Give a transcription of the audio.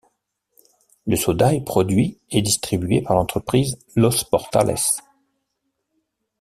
Le soda est produit et distribué par l'entreprise Los Portales.